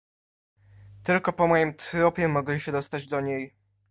"Tylko po moim trupie mogli się dostać do niej."